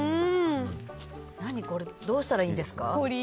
どうしたらいいんですか。